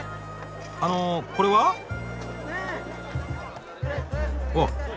あのこれは？うわ。